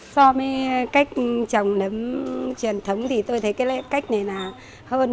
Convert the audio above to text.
so với cách trồng nấm truyền thống thì tôi thấy cái cách này là hơn